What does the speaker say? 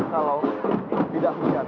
kalau tidak hujan